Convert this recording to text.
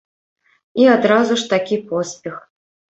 І адразу ж такі поспех.